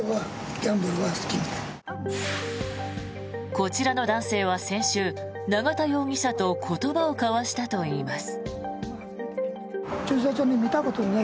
こちらの男性は先週、永田容疑者と言葉を交わしたといいます。